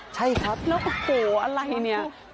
ใช่ครับแล้วโอ้โหอะไรเนี่ย